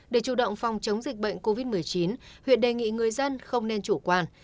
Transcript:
để chủ động phòng chống dịch bệnh covid một mươi chín huyện đề nghị người dân không nên chủ quan